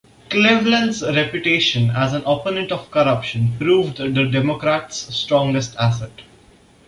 Cleveland's reputation as an opponent of corruption proved the Democrats' strongest asset.